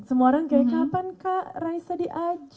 semua orang kayak kapan kak raisa diaju